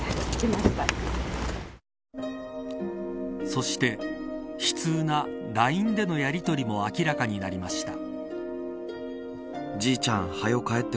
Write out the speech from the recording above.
そして悲痛なＬＩＮＥでのやりとりも明らかになりました。